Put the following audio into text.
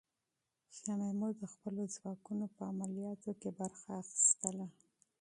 شاه محمود د خپلو ځواکونو په عملیاتو کې برخه اخیستله.